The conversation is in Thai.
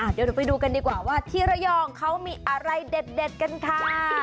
เดี๋ยวไปดูกันดีกว่าว่าที่ระยองเขามีอะไรเด็ดกันค่ะ